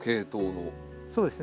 そうですね。